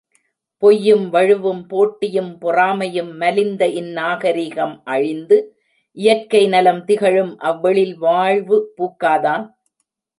பொய்யும் வழுவும், போட்டியும் பொறாமையும் மலிந்த இந்நாகரிகம் அழிந்து, இயற்கைநலம் திகழும் அவ்வெழில் வாழ்வு பூக்காதா?